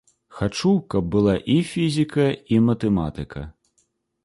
Хачу, каб была і фізіка, і матэматыка.